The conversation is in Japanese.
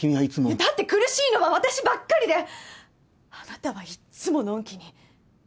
だって苦しいのは私ばっかりであなたはいっつものんきに。